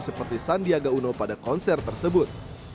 seperti sandiaga uno pada konser tersebut